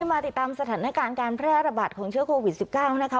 มาติดตามสถานการณ์การแพร่ระบาดของเชื้อโควิด๑๙นะคะ